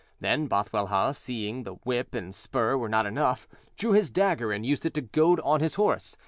Then Bothwellhaugh; seeing that whip and spur were not enough, drew his dagger and used it to goad on his horse.